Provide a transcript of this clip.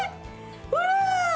ほら！